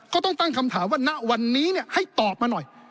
ต้องตั้งคำถามว่าณวันนี้ให้ตอบมาหน่อย